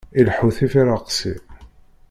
Ileḥḥu tifiṛeqsi.